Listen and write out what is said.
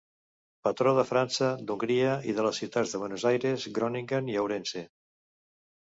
Patró de França, d'Hongria i de les ciutats de Buenos Aires, Groningen i Ourense.